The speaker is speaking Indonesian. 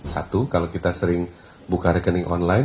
satu kalau kita sering buka rekening online